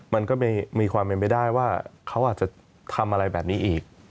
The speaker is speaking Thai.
มันก็มีความเป็นไปได้ว่าเขาอาจจะทำอะไรแบบนี้อีก